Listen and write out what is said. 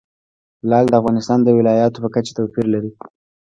لعل د افغانستان د ولایاتو په کچه توپیر لري.